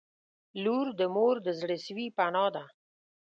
• لور د مور د زړسوي پناه ده.